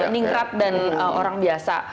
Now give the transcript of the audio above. ningkrap dan orang biasa